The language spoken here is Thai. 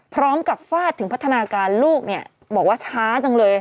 พร้อมกับฟาดถึงพัฒนาการลูกเนี่ยบอกว่าช้าจังเลย